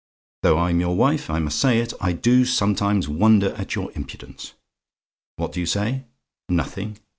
Though I'm your wife, I must say it, I do sometimes wonder at your impudence. What do you say? "NOTHING?